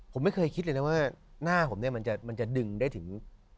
ผมไม่เคยคิดเลยนะว่าหน้าผมเนี่ยมันจะดึงได้ถึง